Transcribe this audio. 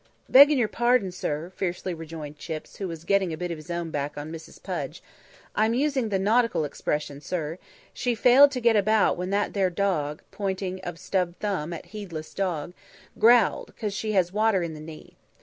"Beggin' yer pardon, sir," fiercely rejoined Chips who was getting a bit of his own back on Mrs. Pudge "I'm using the nautical expression, sir; she failed to get about when that there dawg" pointing of stub thumb at heedless dog "growled 'cause she has water in the knee.